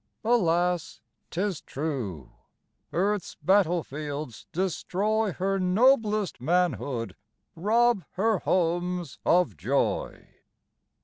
Alas! 'tis true. Earth's battle fields destroy Her noblest manhood; rob her homes of joy."